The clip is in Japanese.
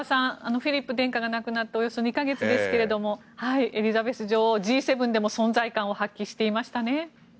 フィリップ殿下が亡くなっておよそ２か月ですがエリザベス女王、Ｇ７でも存在感を発揮していましたね。